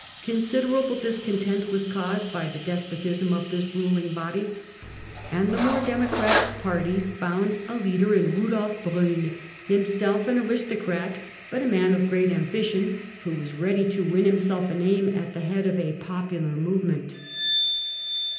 Considerable discontent was caused by the despotism of this ruling body, and the more demo cratic party found a leader in Eudolf Brun, himself an aristocrat, but a man of great ambition, who was ready to win himself a name at the head of a popular movement.